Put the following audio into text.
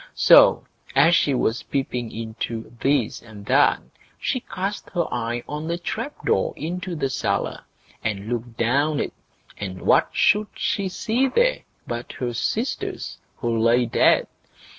So, as she was peeping into this and that, she cast her eye on the trap door into the cellar, and looked down it, and what should she see there but her sisters, who lay dead.